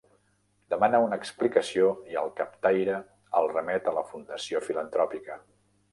Demana una explicació i el captaire el remet a la Fundació Filantropica.